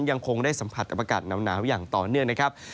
ยังคงได้สัมผัสกับอากาศหนาวอย่างต่อเนื่องนะครับ